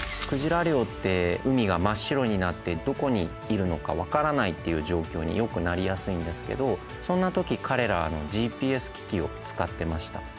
クジラ漁って海が真っ白になってどこにいるのか分からないっていう状況によくなりやすいんですけどそんな時かれらＧＰＳ機器を使ってました。